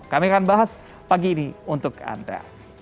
kami akan bahas pagi ini untuk anda